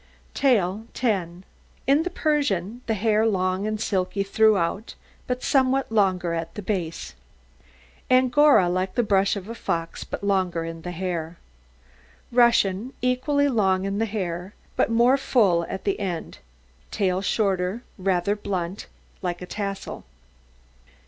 TAIL 10 In the Persian the hair long and silky throughout, but somewhat longer at the base; Angora like the brush of a fox, but longer in the hair; Russian equally long in the hair, but more full at the end; tail shorter, rather blunt, like a tassel.